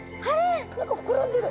何か膨らんでる。